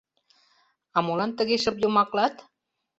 А молан тыге шып йомаклат?